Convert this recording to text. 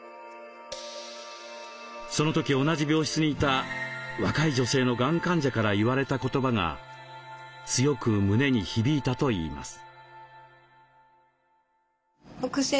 その時同じ病室にいた若い女性のがん患者から言われた言葉が強く胸に響いたといいます。